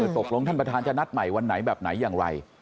ตกลงท่านประธานจะนัดใหม่วันไหนแบบไหนอย่างไร